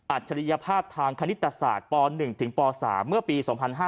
ฉริยภาพทางคณิตศาสตร์ป๑ถึงป๓เมื่อปี๒๕๕๙